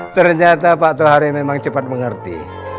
ternyata pak tohari memang cepat mengerti